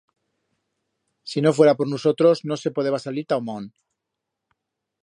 Si no fuera por nusotros no se podeba salir ta o mont.